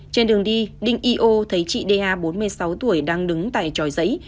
trên đường đi đinh yô thấy chị đê a bốn mươi sáu tuổi đang đứng tại tròi giấy